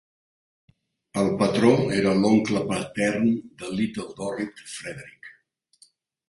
El patró era l'oncle patern de Little Dorrit, Frederick.